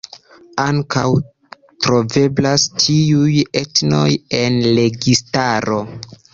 Ankaŭ troveblas tiuj etnoj en la registaro.